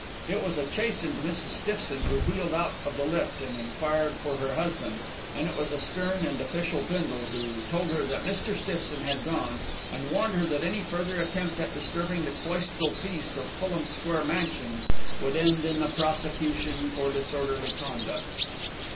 It was a chastened Mrs. Stiffson who wheeled out of the lift and enquired for her husband, and it was a stern and official Bindle who told her that Mr. Stiffson had gone, and warned her that any further attempt at disturbing the cloistral peace of Fulham Square Mansions would end in a prosecution for disorderly conduct.